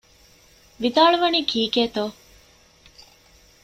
ވިދާޅުވަނީ ކީކޭތޯ؟